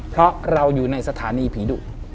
เพราะเราอยู่ในสถานีผีดุ